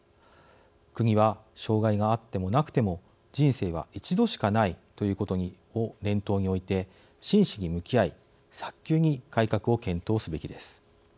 国は障害があってもなくても人生は一度しかないということを念頭に置いて真摯に向き合い早急に改革を検討すべきです。